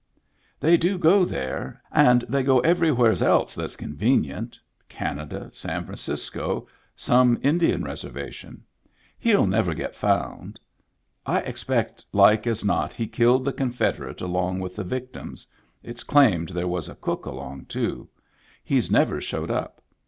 They do go there — and they go everywheres else that's convenient — Canada, San Francisco, some Indian reservation. He'll never get found. I expect like as not he killed the confederate along with the victims — it's claimed there was a cook along, too. He's never showed up.